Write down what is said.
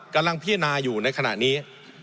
กำลังพิจารณาอยู่ในขณะนี้